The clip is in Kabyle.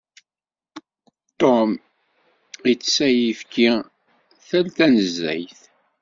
Tom itess ayefki tal tanezzayt.